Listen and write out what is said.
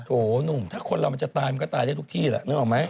โหหนุ่มถ้าคนเรามันจะตายมันก็ตายได้ทุกที่แหละนึกออกไหม